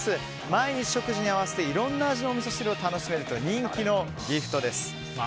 毎日の食事に合わせていろんな味のお味噌汁を楽しめると人気のギフトです。